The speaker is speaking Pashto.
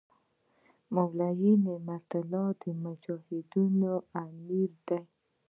مولوي نعمت الله د مجاهدینو امیر دی.